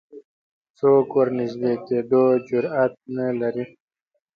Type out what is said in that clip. څوک ورنژدې کېدو جرئت نه لري